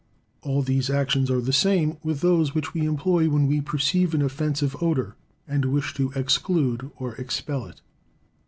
All these actions are the same with those which we employ when we perceive an offensive odour, and wish to exclude or expel it.